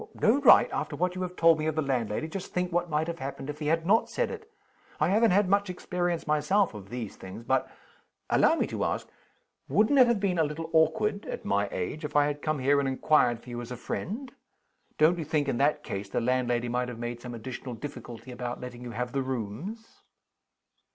"No right? After what you have told me of the landlady, just think what might have happened if he had not said it! I haven't had much experience myself of these things. But allow me to ask wouldn't it have been a little awkward (at my age) if I had come here and inquired for you as a friend? Don't you think, in that case, the landlady might have made some additional difficulty about letting you have the rooms?"